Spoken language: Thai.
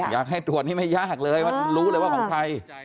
อยากให้ตรวจนี่ไม่ยากเลยว่ารู้เลยว่าของใคร